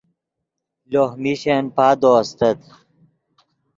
لوہ میشن پادو استت